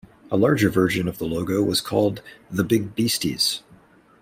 A larger version of the logo was called the "Big Beasties".